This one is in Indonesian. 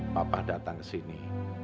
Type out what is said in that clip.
papa datang kesini